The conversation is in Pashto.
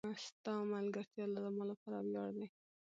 ستا ملګرتیا زما لپاره وياړ دی.